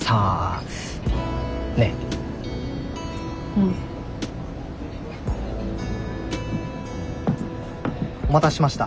うん。お待たせしました。